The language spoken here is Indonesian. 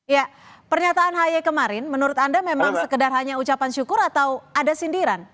ya pernyataan haye kemarin menurut anda memang sekedar hanya ucapan syukur atau ada sindiran